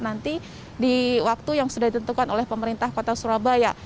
nanti di waktu yang sudah ditentukan oleh pemerintah kota surabaya